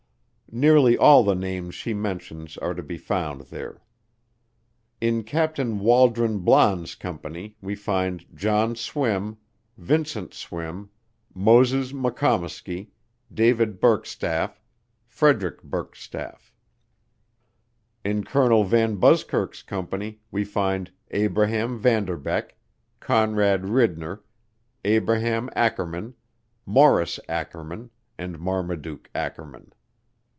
Nearly all the names she mentions are to be found there. In Captain Waldron Blaan's Company, we find John Swim, Vincent Swim, Moses McComesky, David Burkstaff, Frederick Burkstaff. In Col. VanBuskirk's Company we find Abraham Vanderbeck, Conrad Ridner, Abraham Ackerman, Morris Ackerman and Marmaduke Ackerman.